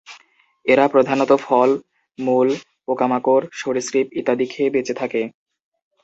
এরা প্রধানত ফল, মূল, পোকামাকড়, সরীসৃপ ইত্যাদি খেয়ে বেঁচে থাকে।